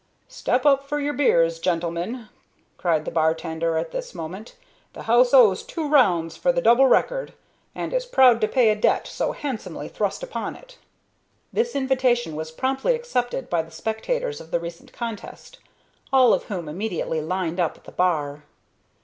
"Step up for your beers, gentlemen," cried the bartender at this moment. "The house owes two rounds for the double record, and is proud to pay a debt so handsomely thrust upon it." This invitation was promptly accepted by the spectators of the recent contest, all of whom immediately lined up at the bar.